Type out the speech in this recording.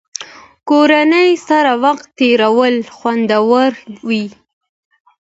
کورنۍ سره وخت تېرول خوندور وي.